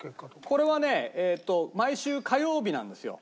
これはね毎週火曜日なんですよ。